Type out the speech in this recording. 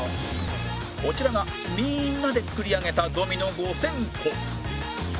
こちらがみんなで作り上げたドミノ５０００個